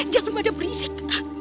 jangan pada berisik